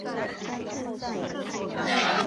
几兄弟姊妹曾协助谭父运作冶金山寨厂。